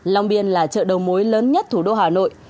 long biên là chợ đầu mối lớn nhất thủ đô hà nội